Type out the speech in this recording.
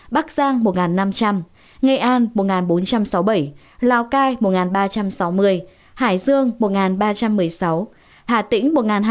bắc giang một năm trăm linh nghệ an một bốn trăm sáu mươi bảy lào cai một ba trăm sáu mươi hải dương một ba trăm một mươi sáu hà tĩnh một hai trăm chín mươi bốn